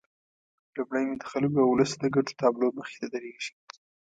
لومړی مې د خلکو او ولس د ګټو تابلو مخې ته درېږي.